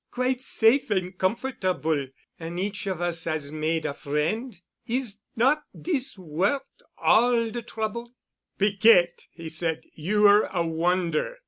Quite safe and comfortable—an' each of us 'as made a friend. Is not dees wort' all de trouble?" "Piquette!" he said, "you're a wonder!